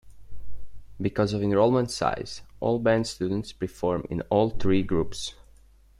Because of enrollment size, all band students perform in all three groups.